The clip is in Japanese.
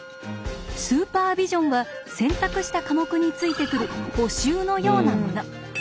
スーパービジョンは選択した科目についてくる補習のようなもの。